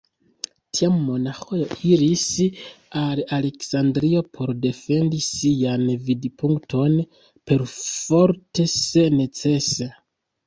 Tiam monaĥoj iris al Aleksandrio por defendi sian vidpunkton, perforte se necese.